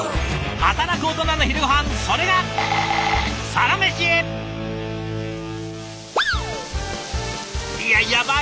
働くオトナの昼ごはんそれがいややばい！